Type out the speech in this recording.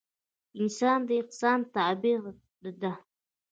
انسان د احسان تابع ده